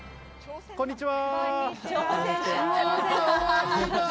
こんにちは。